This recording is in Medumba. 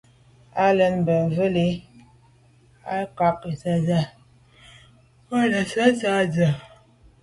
Á lɛ̀ɛ́n mbə̄ mvɛ́lì à’cák gə̀jɔ̀ɔ́ŋ mjɛ́ɛ̀’də̄ nə̀sɔ̀ɔ́k tsə̂ ndzwə́.